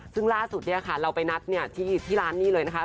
ซึ่งล่าสุดเราไปนัดที่ร้านนี้เลยนะคะ